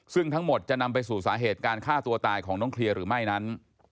ซึ่งทั้งหมดจะนำไปสู่สาเหตุการฆ่าตัวตายของน้องเคลียร์หรือไม่นั้น